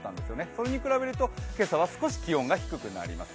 それに比べると今朝は少し気温が低くなります。